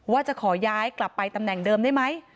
ว่าจะขอย้ายกลับไปตำแหน่งเดิมได้ไหม